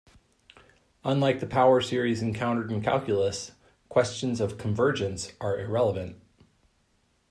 Unlike the power series encountered in calculus, questions of convergence are irrelevant.